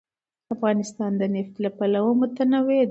افغانستان د نفت له پلوه متنوع دی.